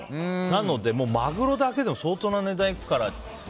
なので、マグロだけでも相当な値段いくから。